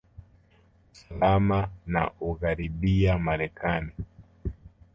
usalama na ugharibiya marekani